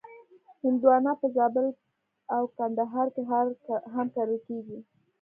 هندوانه په زابل او کندهار کې هم کرل کېږي.